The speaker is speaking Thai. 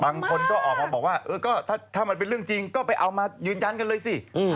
บางคนก็ออกมาบอกว่าเออก็ถ้ามันเป็นเรื่องจริงก็ไปเอามายืนยันกันเลยสิ